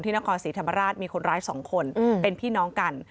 นครศรีธรรมราชมีคนร้าย๒คนเป็นพี่น้องกัน